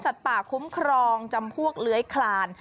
ป่าคุ้มครองจำพวกเลื้อยคลาน